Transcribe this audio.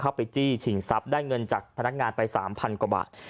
ไปจี้ชิงทรัพย์ได้เงินจากพนักงานไป๓๐๐กว่าบาท